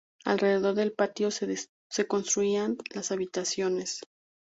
Alrededor del patio se construían las habitaciones.